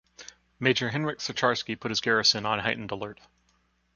Major Henryk Sucharski put his garrison on heightened alert.